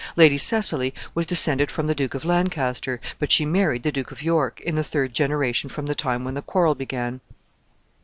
Lady Cecily was descended from the Duke of Lancaster, but she married the Duke of York, in the third generation from the time when the quarrel began.